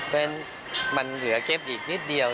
เพราะฉะนั้นมันเหลือเก็บอีกนิดเดียว